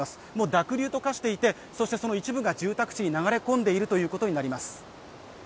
濁流と化していて、その一部が住宅地に流れ込んでいるということになります。